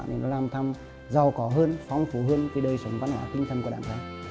và nó làm thăm giàu có hơn phong phú hơn cái đời sống văn hóa kinh tâm của đảng ta